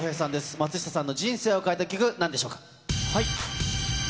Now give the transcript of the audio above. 松下さんの人生を変えた曲、なんでしょうか。